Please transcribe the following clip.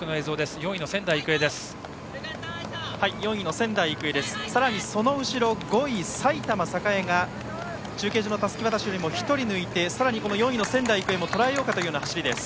４位の仙台育英ですがさらにその後ろ５位、埼玉栄が中継所のたすき渡しよりも１人抜いてさらに４位の仙台育英もとらえようかという走りです。